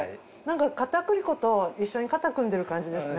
片栗粉と一緒に肩組んでる感じですね。